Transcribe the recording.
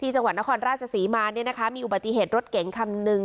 จังหวัดนครราชสถีมามีอุบัติเหตุรถเก๋งคำนึง